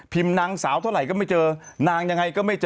นางสาวเท่าไหร่ก็ไม่เจอนางยังไงก็ไม่เจอ